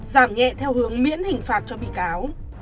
giảm nhẹ theo hướng miễn hình phạt cho bị cáo